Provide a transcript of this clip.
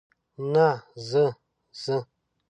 نه، زه، زه.